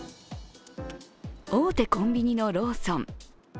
大手コンビニのローソン。